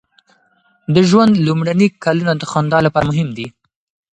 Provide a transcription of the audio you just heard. د ژوند لومړني کلونه د خندا لپاره مهم دي.